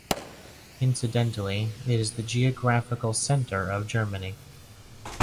Incidentally it is the geographical centre of Germany.